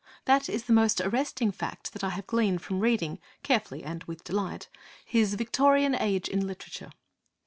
That is the most arresting fact that I have gleaned from reading, carefully and with delight, his Victorian Age in Literature.